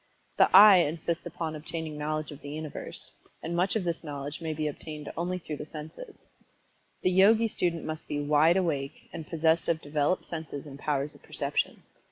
The "I" insists upon obtaining knowledge of the Universe, and much of this knowledge may be obtained only through the senses. The Yogi student must be "wide awake" and possessed of developed senses and powers of Perception.